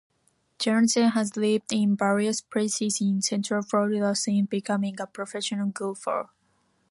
Janzen has lived in various places in Central Florida since becoming a professional golfer.